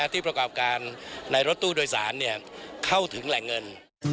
ที่ประกอบการในรถตู้โดยสารเข้าถึงแหล่งเงิน